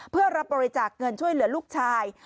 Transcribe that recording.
เพื่อรับบริจาคเงินช่วยเหลือลูกชาย